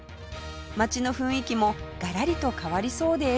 街の雰囲気もガラリと変わりそうです